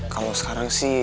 kalau sekarang sih